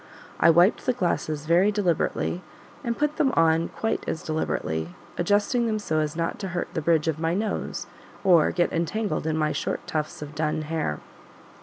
I wiped the glasses very deliberately, and put them on quite as deliberately; adjusting them so as not to hurt the bridge of my nose or get entangled in my short tufts of dun hair.